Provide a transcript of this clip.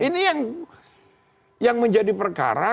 ini yang menjadi perkara